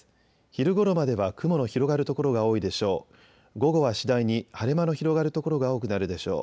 昼ごろまでは雲の広がる所が多いでしょう。